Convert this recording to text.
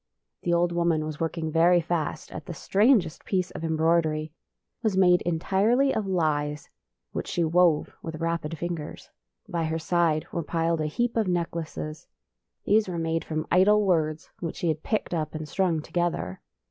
The old woman was work ing very fast at the strangest piece of em broidery. It was made entirely of lies, which she wove with rapid fingers. By her side were piled a heap of necklaces. These were made from idle words which she had picked up and strung together.